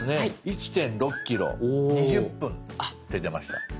「１．６ｋｍ２０分」って出ました。